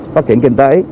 phát triển kinh tế